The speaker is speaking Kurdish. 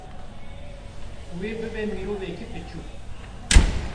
wê bibe miroveke piçûk